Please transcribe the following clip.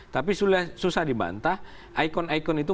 tapi susah dibantah ikon ikon itu